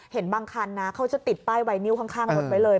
เห็นบางครานเค้าจะติดป้ายไหว่นิ้วข้างมะบดไปเลย